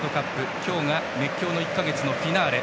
今日が熱狂の１か月のフィナーレ。